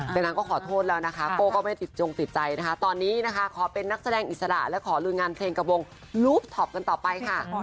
แต่นางก็ขอโทษแล้วนะคะโก้ก็ไม่ติดจงติดใจนะคะตอนนี้นะคะขอเป็นนักแสดงอิสระและขอลุยงานเพลงกับวงลูฟท็อปกันต่อไปค่ะ